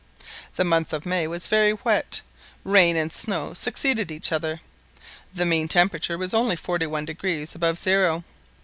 The month of May was very wet. Rain and snow succeeded each other. The mean temperature was only 41° above zero.